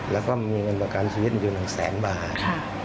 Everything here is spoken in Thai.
แล้วก็มีเงินประกันชีวิตมันคือหนังแสงบาท